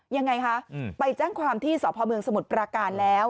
ยังไงคะไปแจ้งความที่สพเมืองสมุทรปราการแล้ว